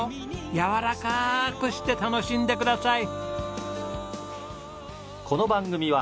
やわらかくして楽しんでください！